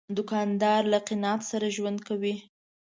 دوکاندار له قناعت سره ژوند کوي.